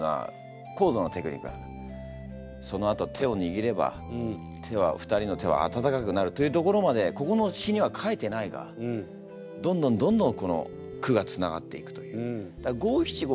そのあとは手をにぎれば２人の手は温かくなるというところまでここの詩には書いてないがどんどんどんどんこの句がつながっていくという。